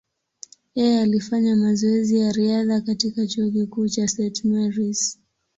Yeye alifanya mazoezi ya riadha katika chuo kikuu cha St. Mary’s.